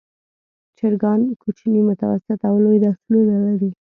چرګان کوچني، متوسط او لوی نسلونه لري.